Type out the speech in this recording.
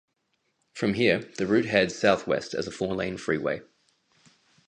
From here, the route heads southwest as a four-lane freeway.